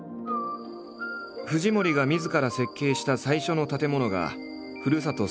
藤森がみずから設計した最初の建物がふるさと